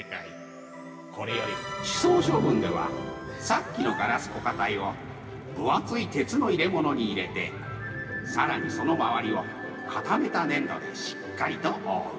地層処分ではさっきのガラス固化体を分厚い鉄の入れ物に入れてさらにその周りを固めた粘土でしっかりと覆う。